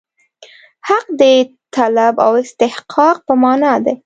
حق د طلب او استحقاق په معنا دی.